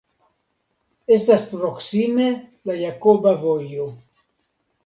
Estas proksime la Jakoba Vojo.